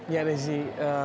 kita harus bangga